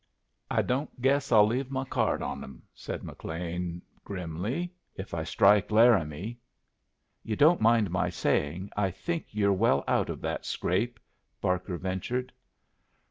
"I don't guess I'll leave my card on 'em," said McLean, grimly, "if I strike Laramie." "You don't mind my saying I think you're well out of that scrape?" Barker ventured.